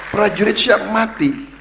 prajurit siap mati